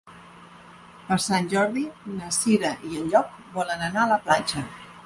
Per Sant Jordi na Cira i en Llop volen anar a la platja.